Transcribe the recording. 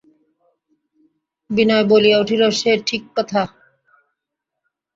বিনয় বলিয়া উঠিল, সে ঠিক কথা।